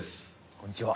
こんにちは。